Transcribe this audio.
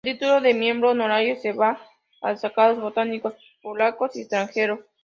El título de miembro honorario se da a destacados botánicos polacos y extranjeros.